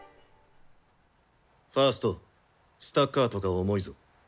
ファーストスタッカートが重いぞ。